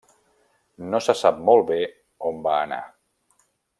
No se sap molt bé on va anar.